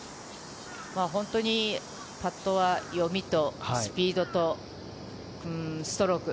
パットは読みとスピードとストローク。